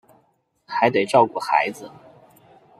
还得照顾孩子